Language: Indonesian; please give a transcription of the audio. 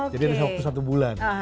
jadi ada satu bulan